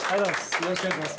よろしくお願いします